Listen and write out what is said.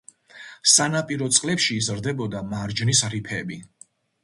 სანაპირო წყლებში იზრდებოდა მარჯნის რიფები.